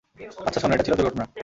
আচ্ছা শোনো, এটা ছিল দুর্ঘটনা।